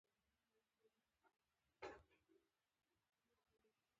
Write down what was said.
د مسلمانانو زاړه تاریخ کې نمونه ده